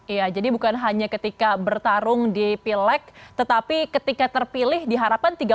iya jadi bukan hanya ketika bertarung di pilek tetapi ketika terpilih diharapkan